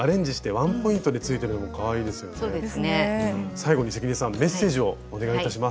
最後に関根さんメッセージをお願いいたします。